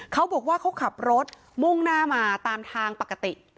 เขาบอกว่าเขาขับรถมุ่งหน้ามาตามทางปกติ